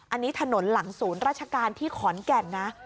อันนี้ถนนหลังศูนย์ราชการที่ขอนแก่นนะ